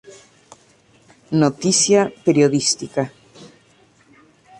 Noticia periodística.